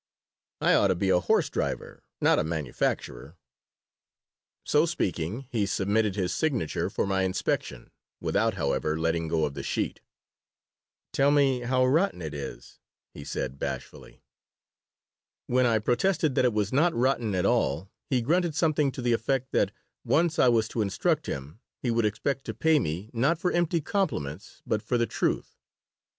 "I ought to be a horse driver, not a manufacturer." So speaking, he submitted his signature for my inspection, without, however, letting go of the sheet "Tell me how rotten it is," he said, bashfully When I protested that it was not "rotten" at all he grunted something to the effect that once I was to instruct him he would expect to pay me, not for empty compliments, but for the truth.